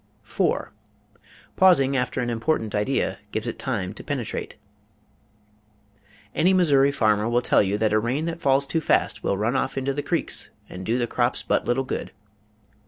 4. Pausing After An Important Idea Gives it Time to Penetrate Any Missouri farmer will tell you that a rain that falls too fast will run off into the creeks and do the crops but little good.